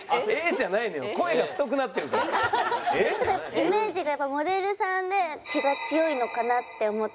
イメージがモデルさんで気が強いのかなって思って。